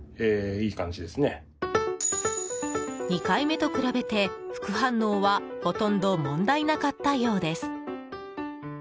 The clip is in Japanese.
２回目と比べて副反応はほとんど問題なかったようです。